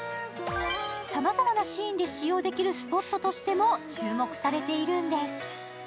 さまざまなシーン使用できるスポットとしても注目されているんです。